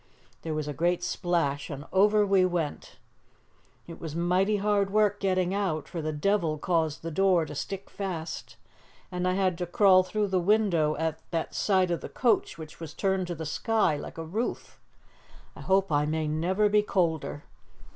There was a great splash and over we went. It was mighty hard work getting out, for the devil caused the door to stick fast, and I had to crawl through the window at that side of the coach which was turned to the sky, like a roof. I hope I may never be colder.